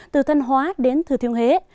từ thanh hóa đến thư thiêu hế